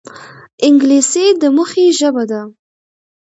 انګلیسي د موخې ژبه ده